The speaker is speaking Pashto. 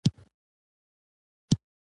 هغه نجلۍ توره ده